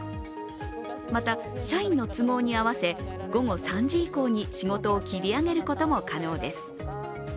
また社員の都合に合わせ午後３時以降に仕事を切り上げることも可能です。